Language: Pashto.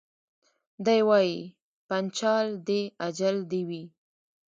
دی وايي پنچال دي اجل دي وي